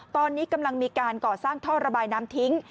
ตอนนี้กำลังมีการก่อสร้างท่อระบายน้ำทิ้ง